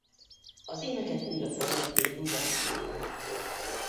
Az éneket újra felvették Rudán Joe-val.